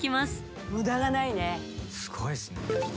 すごいですね。